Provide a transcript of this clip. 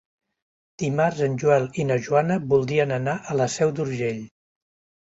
Dimarts en Joel i na Joana voldrien anar a la Seu d'Urgell.